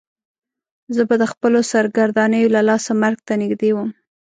زه به د خپلو سرګردانیو له لاسه مرګ ته نږدې وم.